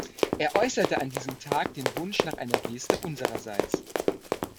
Er äußerte an diesem Tag den Wunsch nach einer Geste unsererseits.